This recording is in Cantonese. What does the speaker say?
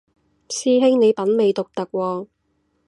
師兄你品味獨特喎